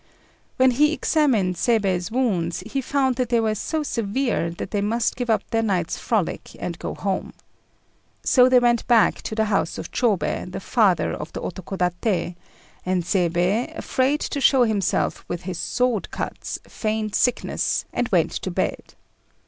When he examined Seibei's wounds, he found that they were so severe that they must give up their night's frolic and go home. So they went back to the house of Chôbei, the Father of the Otokodaté, and Seibei, afraid to show himself with his sword cuts, feigned sickness, and went to bed.